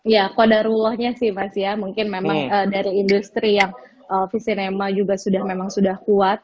ya kodarulohnya sih mas ya mungkin memang dari industri yang vision nema juga memang sudah kuat